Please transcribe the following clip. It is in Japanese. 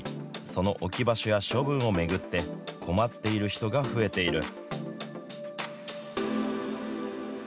その置き場所や処分を巡って、困っている人が増えている。